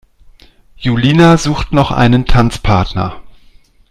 Julina sucht noch einen Tanzpartner.